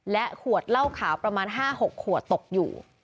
และขวดเหล้าขาวประมาณ๕๖ขวดตกอยู่